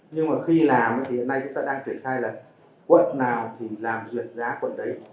nhưng mà khi làm thì hiện nay chúng ta đang triển khai là quận nào thì làm duyệt giá quận đấy